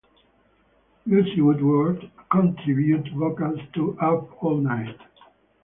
Lucy Woodward contributed vocals to "Up All Night".